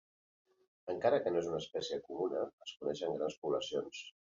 Encara que no és una espècie comuna, es coneixen grans poblacions.